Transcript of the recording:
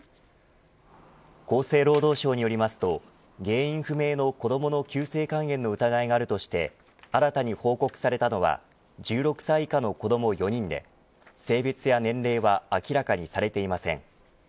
厚生労働省によりますと原因不明の子どもの急性肝炎の疑いがあるとして新たに報告されたのは１６歳以下の子ども４人で性別や年齢は明らかにされていません。